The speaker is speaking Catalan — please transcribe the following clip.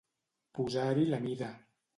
Posar-hi la mira.